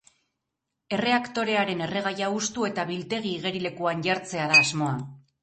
Erreaktorearen erregaia hustu eta biltegi-igerilekuan jartzea da asmoa.